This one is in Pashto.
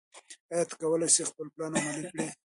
ایا ته کولی شې خپل پلان عملي کړې؟